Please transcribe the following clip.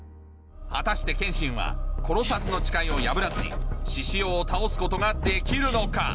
果たして剣心は不殺の誓いを破らずに志々雄を倒すことができるのか？